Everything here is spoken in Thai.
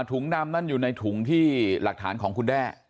ถุงดำนั้นอยู่ในถุงที่หลักฐานของคุณแด้